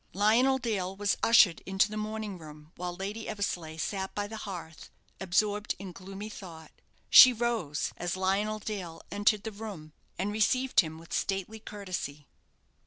Lionel Dale was ushered into the morning room while Lady Eversleigh sat by the hearth, absorbed in gloomy thought. She rose as Lionel Dale entered the room, and received him with stately courtesy.